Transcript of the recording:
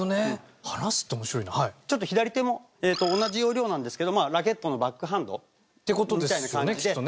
ちょっと左手も同じ要領なんですけどラケットのバックハンドみたいな感じで。